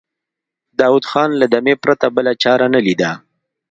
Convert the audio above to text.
داوود خان له دمې پرته بله چاره نه ليده.